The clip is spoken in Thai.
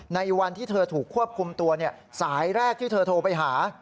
ในวันที่เธอถูกควบคุมตัวสายแรกที่เธอโทรไปหา